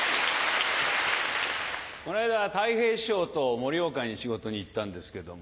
この間たい平師匠と盛岡に仕事に行ったんですけども。